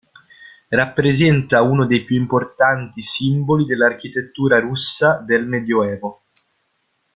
Rappresenta uno dei più importanti simboli dell'architettura russa del medioevo.